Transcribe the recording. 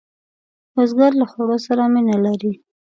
بزګر له خوړو سره مینه لري